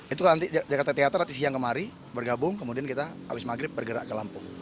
itu nanti jakarta theater nanti siang kemari bergabung kemudian kita habis maghrib bergerak ke lampung